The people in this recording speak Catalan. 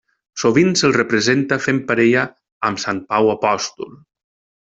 Sovint se'l representa fent parella amb Sant Pau apòstol.